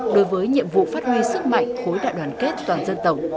đối với nhiệm vụ phát huy sức mạnh khối đại đoàn kết toàn dân tộc